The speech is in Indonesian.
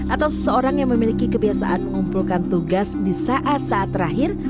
atau seseorang yang memiliki kebiasaan mengumpulkan tugas di saat saat terakhir